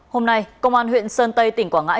hôm nay công an huyện sơn tây tỉnh quảng ngãi